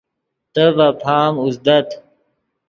تے ڤے پام اوزدت